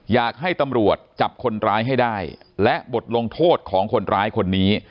อยากให้ตำรวจจับคนร้ายให้ได้และบทลงโทษของคนร้ายคนนี้